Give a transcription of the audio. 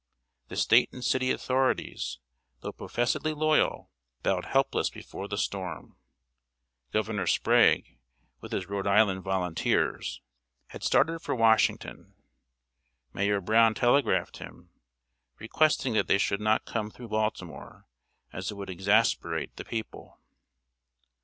The State and city authorities, though professedly loyal, bowed helpless before the storm. Governor Sprague, with his Rhode Island volunteers, had started for Washington. Mayor Brown telegraphed him, requesting that they should not come through Baltimore, as it would exasperate the people.